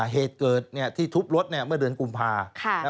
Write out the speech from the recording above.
เหตุเกิดที่ทุบลดเนี่ยเมื่อเดือนกุมภาคม